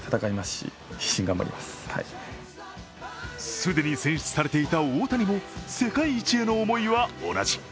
既に選出されていた大谷も世界一への思いは同じ。